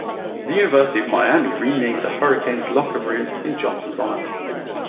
The University of Miami renamed the Hurricanes' locker room in Johnson's honor.